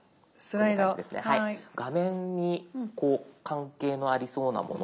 画面にこう関係のありそうなもの。